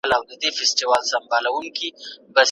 مثبت فکر بریالیتوب نه خرابوي.